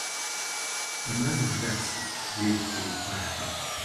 a man relaxes with his backpack.